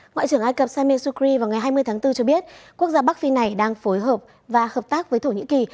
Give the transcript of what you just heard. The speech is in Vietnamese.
ngoại trưởng ai cập sameh sukri vào ngày hai mươi tháng bốn cho biết quốc gia bắc phi này đang phối hợp và hợp tác với thổ nhĩ kỳ